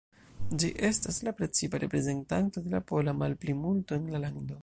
Ĝi estas la precipa reprezentanto de la pola malplimulto en la lando.